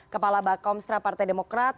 kepala bakomstra partai demokrat